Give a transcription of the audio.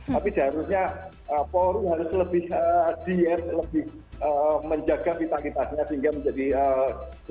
tapi seharusnya polri harus lebih diet lebih menjaga vitalitasnya sehingga menjadi lebih cepat